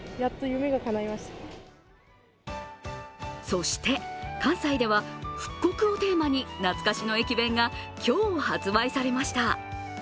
そして、関西では復刻をテーマに懐かしの駅弁が今日、発売されました。